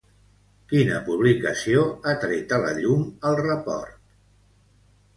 Quina publicació ha tret a la llum el report?